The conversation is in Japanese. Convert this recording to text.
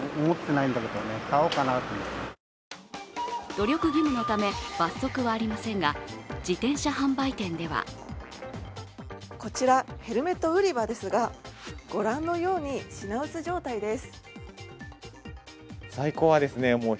努力義務のため罰則はありませんが、自転車販売店ぜはこちらヘルメット売り場ですが、ご覧のように品薄状態です。